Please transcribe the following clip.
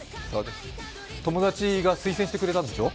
友達が推薦してくれたんでしょ？